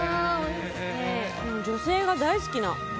女性が大好きな。